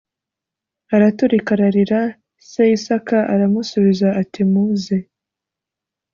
araturika ararira se isaka aramusubiza ati muze